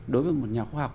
đối với một nhà khoa học